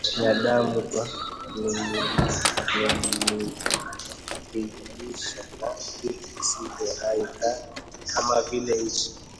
binadamu kwa kummithilisha na vitu visivyo hai kama vile; nchi